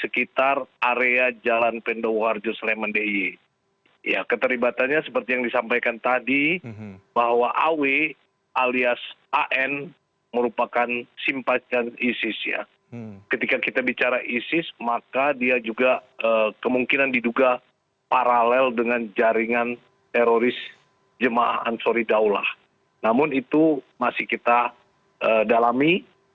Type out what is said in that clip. kami akan mencari penangkapan teroris di wilayah hukum sleman